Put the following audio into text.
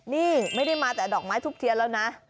นี่ไม่ได้มาแต่ดอกไม้ทุบเทียนแล้วนะ